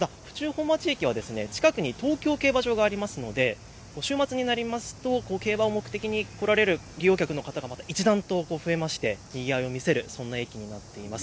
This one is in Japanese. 東京競馬場が近くにあるので週末になりますと競馬を目的に来られる利用客の方が一段と増えましてにぎわいを見せるそんな駅となっています。